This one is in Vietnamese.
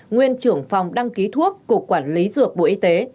nguyên trưởng phòng đăng ký thuốc cục quản lý dược bộ y tế